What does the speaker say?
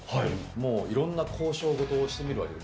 もういろんな交渉事をしてみるわけです。